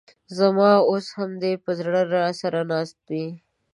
ز ما اوس هم دي په زړه راسره ناست وې